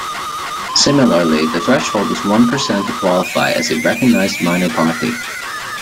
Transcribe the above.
Similarly, the threshold is one percent to qualify as a recognized minor party.